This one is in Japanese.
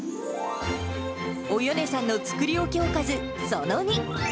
およねさんの作り置きおかずその２。